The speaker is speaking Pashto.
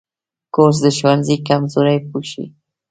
کورس د ښوونځي کمزوري پوښي.